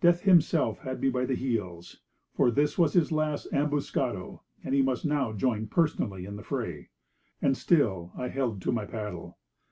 Death himself had me by the heels, for this was his last ambuscado, and he must now join personally in the fray. And still I held to my paddle.